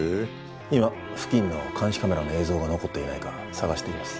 今付近の監視カメラの映像が残っていないか探しています。